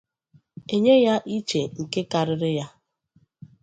e nye ya iche nke karịrị ya.